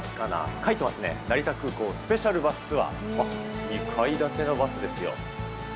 書いてますね、成田空港スペシャルバスツアー。あっ、２階建てのバスですよ。